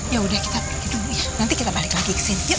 ya udah kita pergi dulu ya nanti kita balik lagi kesini yuk